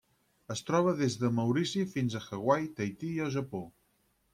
Es troba des de Maurici fins a Hawaii, Tahití i el Japó.